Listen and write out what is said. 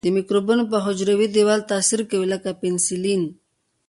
د مکروبونو په حجروي دیوال تاثیر کوي لکه پنسلین.